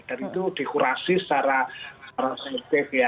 dan itu dikurasi secara sensitif ya